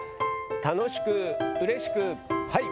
楽しく、うれしく、はい。